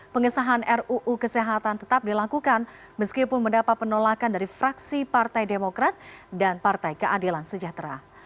pengesahan ruu kesehatan tetap dilakukan meskipun mendapat penolakan dari fraksi partai demokrat dan partai keadilan sejahtera